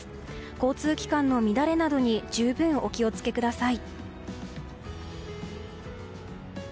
交通機関の乱れなどに十分お気を付けください。